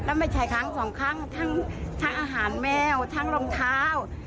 แล้วไม่ใช่ครั้งสองครั้งทั้งอาหารแมวทั้งรองเท้า